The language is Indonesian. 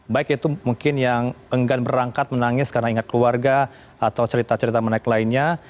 baik itu mungkin yang enggan berangkat menangis karena ingat keluarga atau cerita cerita menarik lainnya